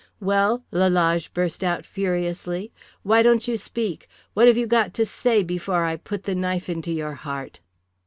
"Well?" Lalage burst out, furiously. "Why don't you speak; what have you got to say before I put the knife into your heart?"